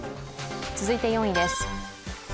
続いて４位です。